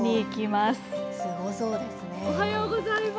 すごそうですね。